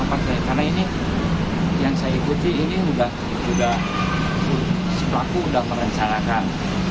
karena yang saya ikuti ini sudah sepuluh aku sudah merencanakan